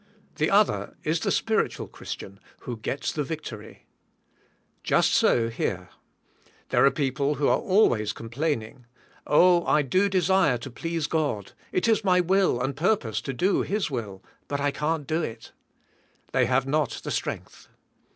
The other is the spiritual Christian, who gets the victory. Just so here. There are people who are always com plaining. Oh, I do desire to please God; it is my will and purpose to do His will, but I can't do it. They have not the strength.